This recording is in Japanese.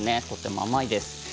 とても甘いです。